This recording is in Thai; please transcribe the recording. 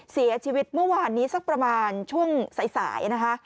เสียชีวิตเมื่อวานนี้สักประมาณช่วงสายนะคะ